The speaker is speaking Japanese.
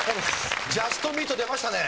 ジャストミート出ましたね。